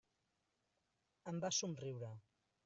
Em va somriure.